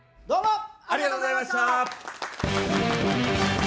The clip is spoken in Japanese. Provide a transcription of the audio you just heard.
どうも。